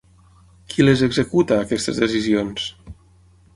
Qui les executa, aquestes decisions?